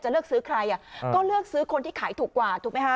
เลือกซื้อใครอ่ะก็เลือกซื้อคนที่ขายถูกกว่าถูกไหมคะ